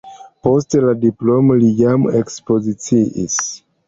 Post la diplomo li jam ekspoziciis.